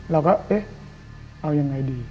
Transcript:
เราก็เอ๊ะเอายังไงดี